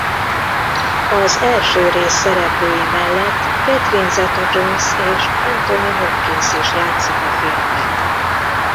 Az első rész szereplői mellett Catherine Zeta-Jones és Anthony Hopkins is játszik a filmben.